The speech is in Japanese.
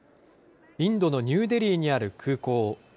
インドのニューデリーにある空港。